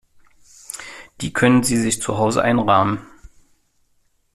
Die können Sie sich zu Hause einrahmen.